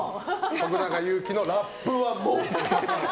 徳永ゆうきのラップはもう。